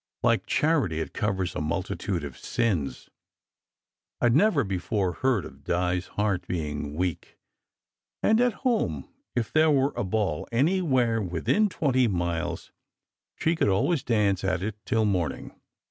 Like charity, it covers a multitude of sins. I d never before heard of Di s heart being weak; and at home, if there were a ball anywhere within twenty miles, she could always dance at it till morning.